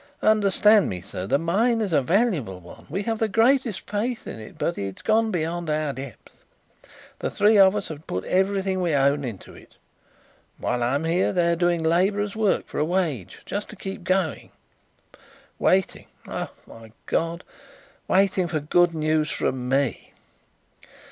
Understand sir. The mine is a valuable one; we have the greatest faith in it, but it has gone beyond our depth. The three of us have put everything we own into it. While I am here they are doing labourers' work for a wage, just to keep going ... waiting, oh, my God! waiting for good news from me!"